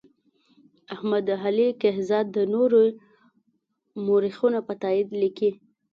احمد علي کهزاد د نورو مورخینو په تایید لیکي.